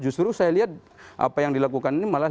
justru saya lihat apa yang dilakukan ini malah